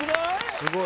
すごい。